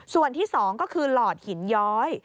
ส่วนที่๒ก็คือหลอดหินย้อย